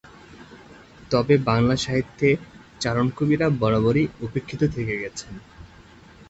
তবে বাংলা সাহিত্যে চারণ কবিরা বরাবরই উপেক্ষিত থেকে গেছেন।